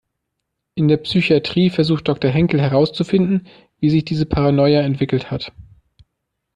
In der Psychatrie versucht Doktor Henkel herauszufinden, wie sich diese Paranoia entwickelt hat.